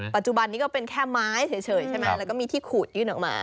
ปัจจุบันนี้ก็เป็นแค่ไม้เฉยใช่ไหมแล้วก็มีที่ขูดยื่นออกมา